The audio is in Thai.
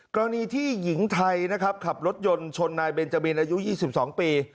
กรณีที่หญิงไทยนะครับขับรถยนต์ชนนายเบนจาบินอายุ๒๒ปี